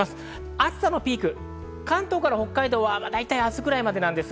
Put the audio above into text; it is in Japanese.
暑さのピーク、関東から北海道は明日くらいまでです。